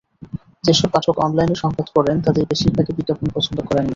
যেসব পাঠক অনলাইনে সংবাদ পড়েন, তাঁদের বেশির ভাগই বিজ্ঞাপন পছন্দ করেন না।